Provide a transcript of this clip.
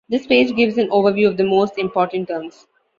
This page gives an overview of the most important terms.